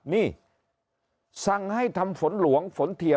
เสมอก้านสหนาทางคือ